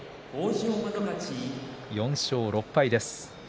４勝６敗です。